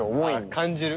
感じる？